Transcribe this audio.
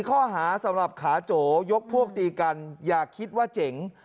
ข้อหาสำหรับขาโจยกพวกตีกันอย่าคิดว่าเจ๋ง